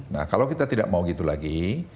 nah kalau kita tidak mau gitu lagi